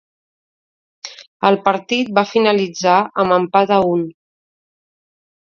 El partit va finalitzar amb empat a un.